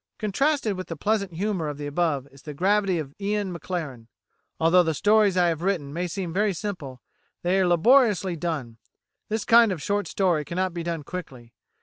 "[136:A] Contrasted with the pleasant humour of the above is the gravity of Ian Maclaren. "Although the stories I have written may seem very simple, they are very laboriously done. This kind of short story cannot be done quickly.